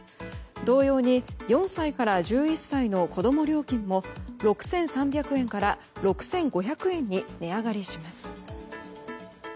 同様に４歳から１１歳の子供料金も６３００円から６５００円に値上がりします。